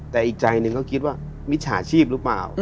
แต่อีกใจหนึ่งก็คิดว่ามิจฉาชีพหรือเปล่า